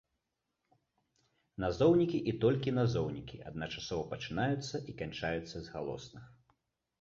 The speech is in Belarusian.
Назоўнікі і толькі назоўнікі, адначасова пачынаюцца і канчаюцца з галосных.